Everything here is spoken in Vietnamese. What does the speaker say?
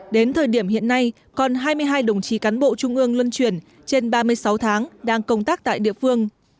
đến thời điểm hiện nay còn hai mươi hai đồng chí cán bộ trung ương luân chuyển trên ba mươi sáu tháng đang công tác tại địa phương